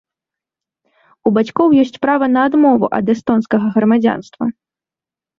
У бацькоў ёсць права на адмову ад эстонскага грамадзянства.